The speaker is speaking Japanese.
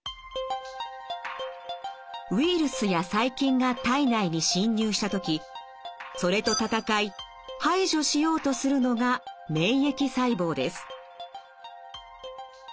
ウイルスや細菌が体内に侵入した時それと戦い排除しようとするのが免疫細胞です。